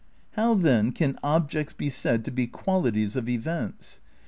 How then can objects be said to be qualities of events?